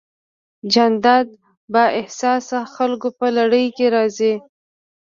جانداد د بااحساسه خلکو په لړ کې راځي.